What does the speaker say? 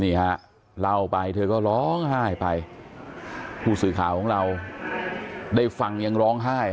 นี่ฮะเล่าไปเธอก็ร้องไห้ไปผู้สื่อข่าวของเราได้ฟังยังร้องไห้